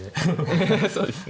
そうですね。